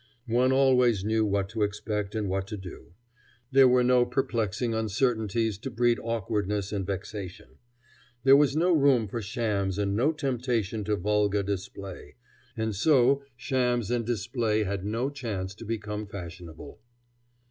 One always knew what to expect and what to do; there were no perplexing uncertainties to breed awkwardness and vexation. There was no room for shams and no temptation to vulgar display, and so shams and display had no chance to become fashionable.